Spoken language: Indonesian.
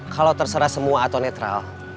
kalau terserah semua atau netral